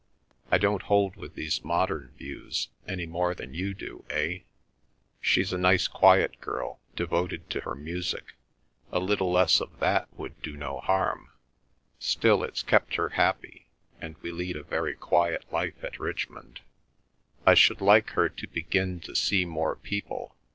I don't hold with these modern views—any more than you do, eh? She's a nice quiet girl, devoted to her music—a little less of that would do no harm. Still, it's kept her happy, and we lead a very quiet life at Richmond. I should like her to begin to see more people.